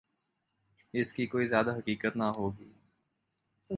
اس کی کوئی زیادہ حقیقت نہ ہو گی۔